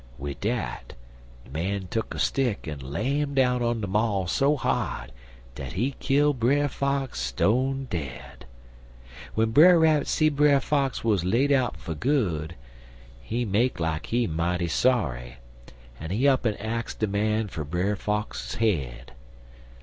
"Wid dat de man tuck a stick and lam down on de maul so hard dat he kill Brer Fox stone dead. W'en Brer Rabbit see Brer Fox wuz laid out fer good, he make like he mighty sorry, en he up'n ax de man fer Brer Fox head.